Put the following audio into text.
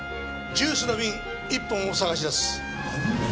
ジュースの瓶一本を探し出す。